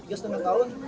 tiga setengah tahun